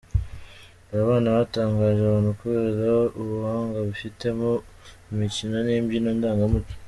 Aba bana batangaje abantu kubera ubuhanga bifitemo mu mikino n'imbyino ndangamuco.